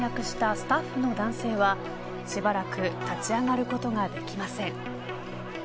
スタッフの男性はしばらく立ち上がることができません。